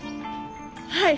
はい。